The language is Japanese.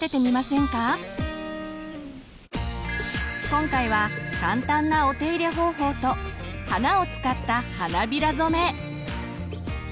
今回は簡単なお手入れ方法と花を使った花びら染め。